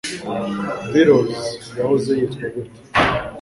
Beatles yahoze yitwa gute?